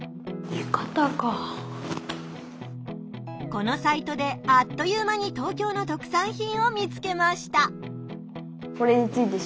このサイトであっという間に東京の特産品を見つけました。